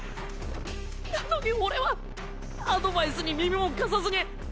なのに俺はアドバイスに耳も貸さずに。